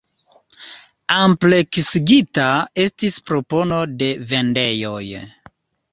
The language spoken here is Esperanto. Ampleksigita estis propono de vendejoj.